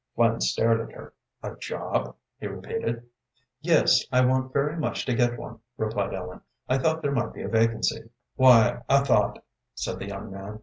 Flynn stared at her. "A job?" he repeated. "Yes, I want very much to get one," replied Ellen. "I thought there might be a vacancy." "Why, I thought " said the young man.